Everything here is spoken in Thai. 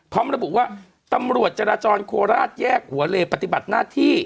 พร้อมระบุว่าตำรวจจราจรโคราชแยกหัวเลปฏิบัติหน้าที่